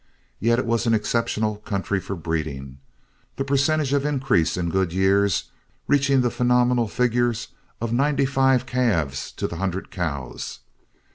Yet it was an exceptional country for breeding, the percentage of increase in good years reaching the phenomenal figures of ninety five calves to the hundred cows.